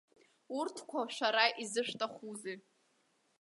Урҭқәа шәара изышәҭахузеи.